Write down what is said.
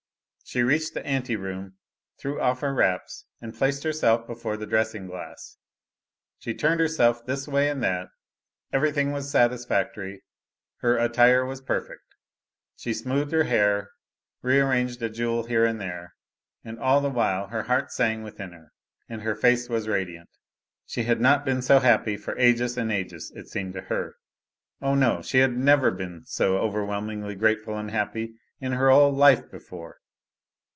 She reached the ante room, threw off her wraps and placed herself before the dressing glass. She turned herself this way and that everything was satisfactory, her attire was perfect. She smoothed her hair, rearranged a jewel here and there, and all the while her heart sang within her, and her face was radiant. She had not been so happy for ages and ages, it seemed to her. Oh, no, she had never been so overwhelmingly grateful and happy in her whole life before.